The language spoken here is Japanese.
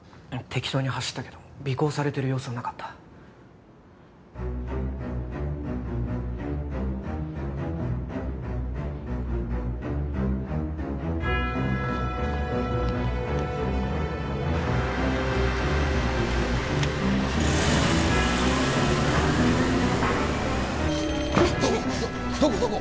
適当に走ったけど尾行されてる様子はなかった鳴ってるどこどこ？